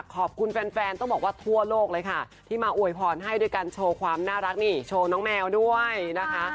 ขอบคุณแฟนต้องบอกว่าทั่วโลกเลยค่ะที่มาอวยพรให้ด้วยการโชว์ความน่ารักนี่โชว์น้องแมวด้วยนะคะ